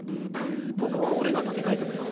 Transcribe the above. ここは俺が立て替えとくよ。